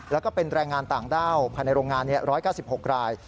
แล้วก็เป็นแรงงานต่างด้าวภายในโรงงาน๑๙๖ราย